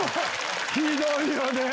ひどいよね！